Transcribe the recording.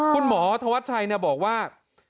คุณหมอธวัชชัยบอกว่า